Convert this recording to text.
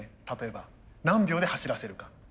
例えば何秒で走らせるか。